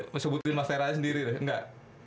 mesebutin mas tera nya sendiri deh enggak